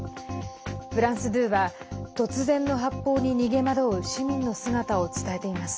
フランス２は、突然の発砲に逃げ惑う市民の姿を伝えています。